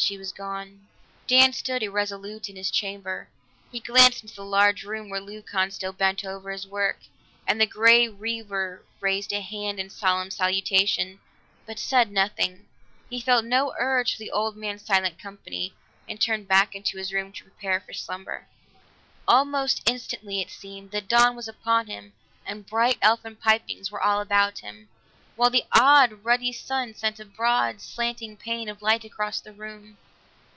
She was gone. Dan stood irresolute in his chamber; he glanced into the large room where Leucon still bent over his work, and the Grey Weaver raised a hand in a solemn salutation, but said nothing. He felt no urge for the old man's silent company and turned back into his room to prepare for slumber. Almost instantly, it seemed, the dawn was upon him and bright elfin pipings were all about him, while the odd ruddy sun sent a broad slanting plane of light across the room.